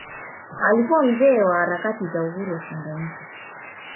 Alikuwa mzee wa harakati za uhuru wa Tanganyika